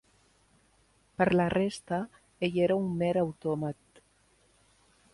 Per la resta, ell era un mer autòmat.